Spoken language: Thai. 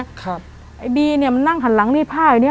ไอ้บีเนี่ยมันนั่งหันหลังนี่ผ้าอันนี้